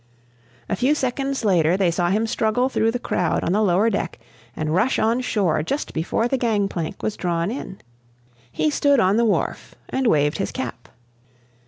A few seconds later they saw him struggle through the crowd on the lower deck, and rush on shore just before the gang plank was drawn in. He stood on the wharf and waved his cap.